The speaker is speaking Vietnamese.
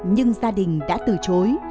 nhưng gia đình đã từ chối